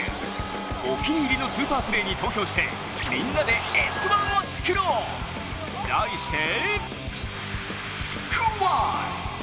お気に入りのスーパープレーに投票して、みんなで「Ｓ☆１」を作ろう題して「つくワン」。